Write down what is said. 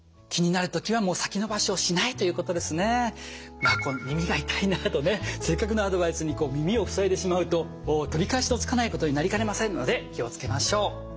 まあ耳が痛いなとねせっかくのアドバイスに耳を塞いでしまうと取り返しのつかないことになりかねませんので気を付けましょう。